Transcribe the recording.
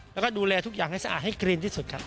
แล้วก็ดูแลทุกอย่างให้สะอาดให้กรีนที่สุดครับ